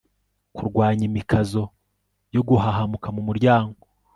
kurwanya imikazo yo guhahamuka mu muryango